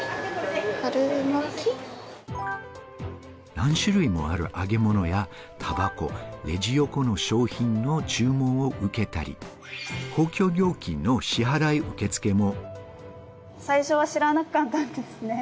何種類もある揚げ物やたばこ、レジ横の商品の注文を受けたり、公共料金の支払い受け付けも。